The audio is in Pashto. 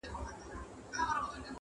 هم قاري سو هم یې ټول قرآن په یاد کړ!